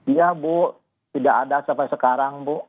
iya bu tidak ada sampai sekarang bu